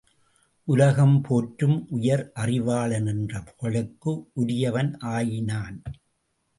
உலகம் போற்றும் உயர் அறிவாளன் என்ற புகழுக்கு உரியவன் ஆயினான்.